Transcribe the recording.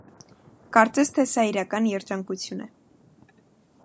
Կարծես թե սա իրական երջանկություն է։